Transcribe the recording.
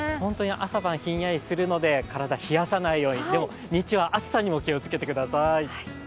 朝晩ひんやりするので、体、冷やさないようにでも日中は暑さにも気をつけてください。